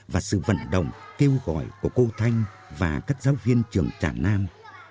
và sự vận động kêu gọi của cô thanh và các giáo viên trường trà nam